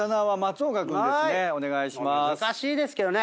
難しいですけどね。